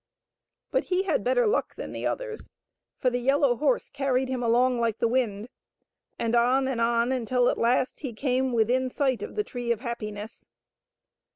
But he had better luck than the others, for the yellow horse carried him along like the wind, and on and on until at last he came within sight of the Tree of Happiness.